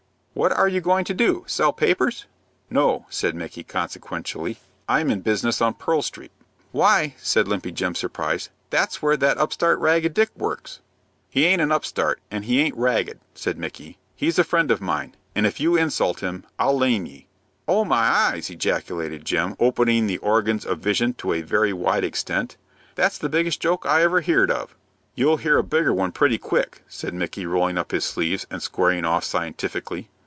What are you going to do? Sell papers?" "No," said Micky, consequentially. "I'm in business on Pearl Street." "Why," said Limpy Jim, surprised, "that's where that upstart Ragged Dick works." "He aint an upstart, an' he aint ragged," said Micky. "He's a friend of mine, an' if you insult him, I'll lam' ye." "O my eyes!" ejaculated Jim, opening the organs of vision to a very wide extent; "that's the biggest joke I ever heerd of." "You'll hear of a bigger one pretty quick," said Micky, rolling up his sleeves, and squaring off scientifically.